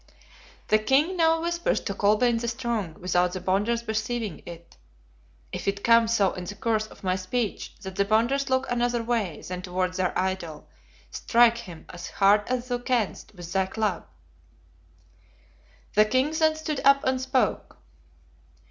"The king now whispers to Kolbein the Strong, without the Bonders perceiving it, 'If it come so in the course of my speech that the Bonders look another way than towards their idol, strike him as hard as thou canst with thy club.' "The king then stood up and spoke.